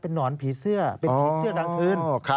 นอนผีเสื้อเป็นผีเสื้อกลางคืน